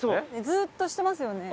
ずっとしてますよね。